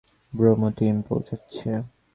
Bravo team পৌঁছাচ্ছে।